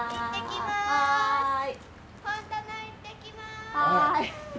はい。